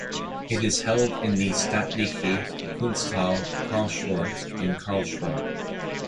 It is held in the Staatliche Kunsthalle Karlsruhe in Karlsruhe.